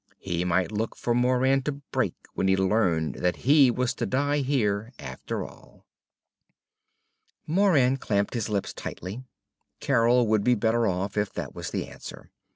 He might look for Moran to break when he learned that he was to die here after all. Moran clamped his lips tightly. Carol would be better off if that was the answer.